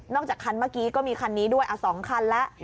จากคันเมื่อกี้ก็มีคันนี้ด้วย๒คันแล้ว